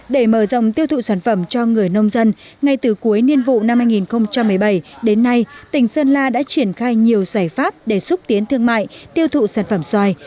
để mở rộng tiêu thụ sản phẩm cho người nông dân ngay từ cuối niên vụ năm hai nghìn một mươi bảy đến nay tỉnh sơn la đã triển khai nhiều giải pháp để xúc tiến thương mại tiêu thụ sản phẩm xoài